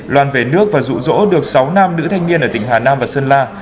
loan về nước và rụ rỗ được sáu nam nữ thanh niên ở tỉnh hà nam và sơn la